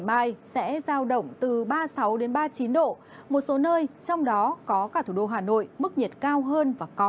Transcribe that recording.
ngày mai sẽ giao động từ ba mươi sáu ba mươi chín độ một số nơi trong đó có cả thủ đô hà nội mức nhiệt cao hơn và có